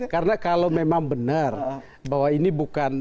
karena kalau memang benar bahwa ini bukan